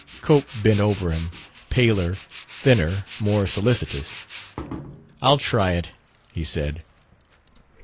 Cope bent over him paler, thinner, more solicitous. "I'll try it," he said.